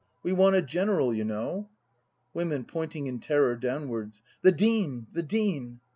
We want a general, you know! Women. [Pointing in terror downwards.] The Dean! The Dean!